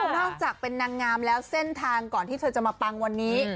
นอกจากเป็นนางงามแล้วเส้นทางก่อนที่เธอจะมาปังวันนี้